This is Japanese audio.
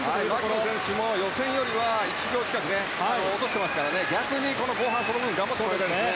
牧野選手も予選より１秒近く落としてますから逆に後半、その分頑張ってもらいたいです。